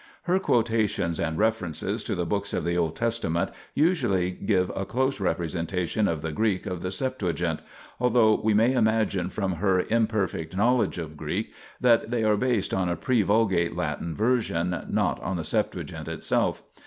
Her quotations and references to the books of the Old Testament usually give a close representation of the Greek of the Septuagint, although we may imagine from her imperfect knowledge of Greek that they are based on a pre Vulgate Latin version, not on the Septuagint itself.